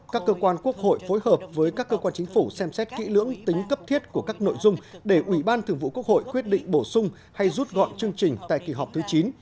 các cơ quan quốc hội phối hợp với các cơ quan chính phủ xem xét kỹ lưỡng tính cấp thiết của các nội dung để ủy ban thường vụ quốc hội quyết định bổ sung hay rút gọn chương trình tại kỳ họp thứ chín